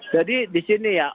jadi disini ya